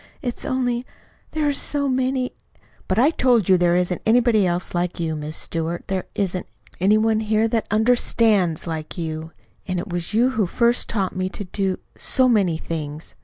"It's only There are so many " "But I told you there isn't anybody like you, Miss Stewart. There isn't any one here that UNDERSTANDS like you. And it was you who first taught me to do so many things."